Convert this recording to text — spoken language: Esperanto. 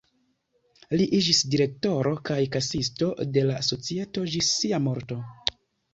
Li iĝis direktoro kaj kasisto de la societo ĝis sia morto.